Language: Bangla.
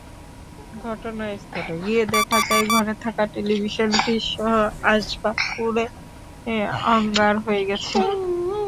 ঘটনাস্থলে গিয়ে দেখা যায়, ঘরে থাকা টেলিভিশন, ফ্রিজসহ আসবাব পুড়ে অঙ্গার হয়ে গেছে।